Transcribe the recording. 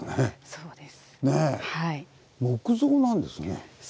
そうです。